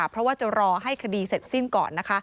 เพราะว่าจะรอให้คดีเสร็จสิ้นก่อน